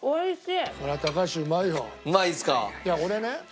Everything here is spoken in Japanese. いや俺ね